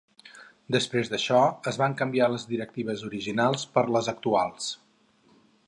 Després d'això es van canviar les directives originals per les actuals.